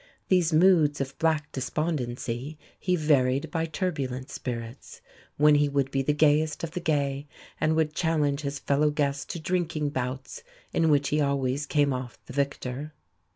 These moods of black despondency he varied by turbulent spirits, when he would be the gayest of the gay, and would challenge his fellow guests to drinking bouts, in which he always came off the victor.